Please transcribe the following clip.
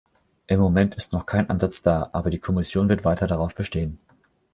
Im Moment ist noch kein Ansatz da, aber die Kommission wird weiter darauf bestehen.